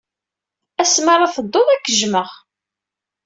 Asmi ara teddud, ad k-jjmeɣ.